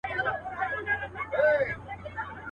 نه په لاس كي وو اثر د خياطانو.